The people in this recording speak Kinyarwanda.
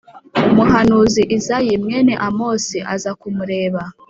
Umuhanuzi Izayi mwene Amosi aza kumureba,